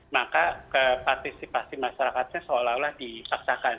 maka partisipasi masyarakatnya seolah olah dipaksakan